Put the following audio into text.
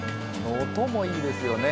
音もいいですよね。